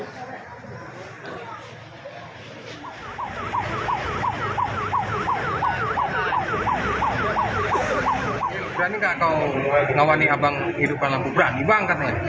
duga berkata berani gak kau ngawani abang hidupan lampu berani bang katanya